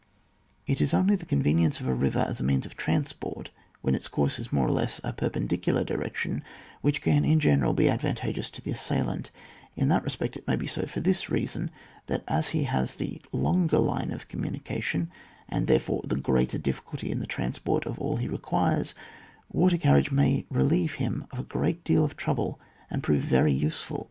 It is only the convenience of a river as a means of transport, when its course is more or less in a perpendicular direction, which can, in general, bo advantageous to the assailant ; in that respect it may be so for this reason, that as he hEis the longer line of communication, and, there fore, the greater difficulty in the transport of all he requires, water carriage may relieve him of a great deal of trouble and prove very usefid.